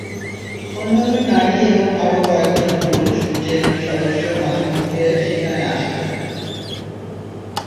অন্য দুই নারী এবং আরও কয়েকজন পুরুষ জেএমবি সদস্য মাঝেমধ্যে সেখানে আসতেন।